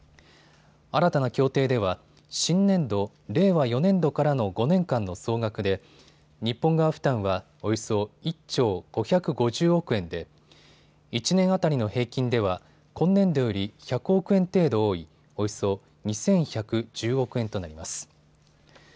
新たな協定では新年度、令和４年度からの５年間の総額で日本側負担はおよそ１兆５５０億円で１年当たりの平均では今年度より１００億円程度多いおよそ２１１０億円となります。